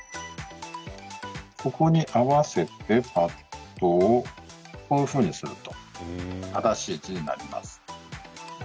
ここに合わせてパッドをこういうふうにすると正しい位置になります。